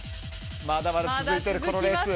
まだまだ続いているこのレース。